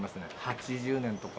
８０年とか。